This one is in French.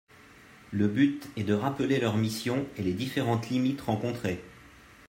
Le but est de rappeler leurs missions et les différentes limites rencontrées